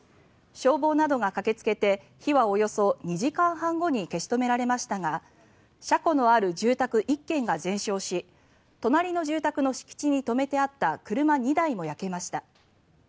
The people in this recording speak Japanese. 消防などが駆けつけて火はおよそ２時間半後に消し止められましたが車庫のある住宅１軒が全焼し隣の住宅の敷地に止めてあった車２台も焼けました。